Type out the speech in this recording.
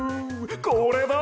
これだ！